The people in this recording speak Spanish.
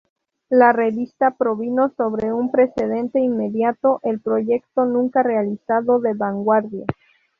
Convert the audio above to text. La revista provino sobre su precedente inmediato, el proyecto nunca realizado de “Vanguardia.